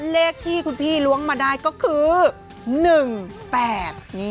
เลขที่คุณพี่ล้วงมาได้ก็คือ๑๘นี่